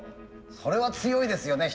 それは強いですよね